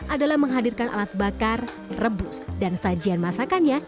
adalah menghadirkan alat bakar rebus dan sajian masakannya